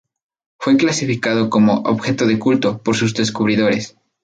Fue clasificado como "objeto de culto" por sus descubridores.